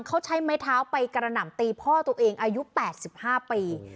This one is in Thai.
เขาใช้ไม้เท้าไปกระหน่ำตีพ่อตัวเองอายุ๘๕ปี